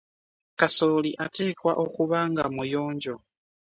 Kasooli ateekwa okuba nga muyonjo.